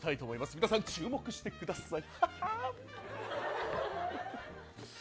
皆さん注目してください。